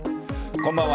こんばんは。